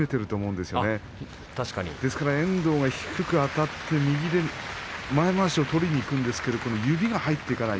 ですから遠藤は低くあたって右で前まわしを取りにいくんですが指が入っていかない